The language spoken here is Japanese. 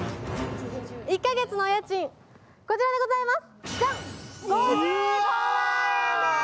１か月のお家賃、こちらでございます。